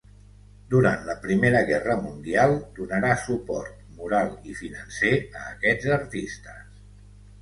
Durant la Primera Guerra Mundial, donarà suport moral i financer a aquests artistes.